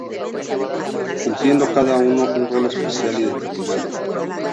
Cumpliendo cada uno un rol especial y determinado.